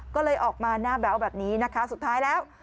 ก็เลยออกมาหน้าแบ๊วแบบนี้นะคะสุดท้ายแล้ว